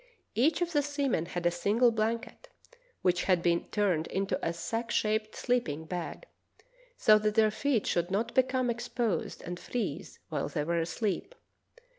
Each of the seamen had a single blanket, which had been turned into a sack shaped sleeping bag so that their feet should not become exposed and freeze while they were asleep.